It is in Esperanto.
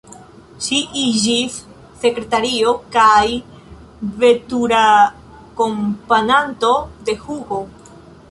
Ŝi iĝis sekretario kaj veturakompananto de Hugo.